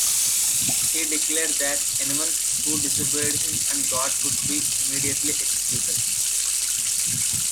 He declared that anyone who disobeyed him and God would be immediately executed.